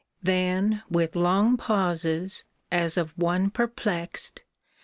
Then with long pauses, as of one perplexed.